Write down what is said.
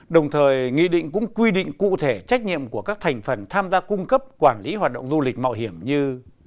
đồng thời nghị định cũng quy định cụ thể trách nhiệm của các thành phần tham gia cung cấp quản lý hoạt động du lịch mạo hiểm như